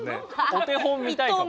お手本見たいかも。